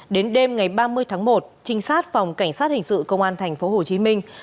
đến đêm ngày ba mươi tháng một trinh sát phòng cảnh sát hình sự công an tp hcm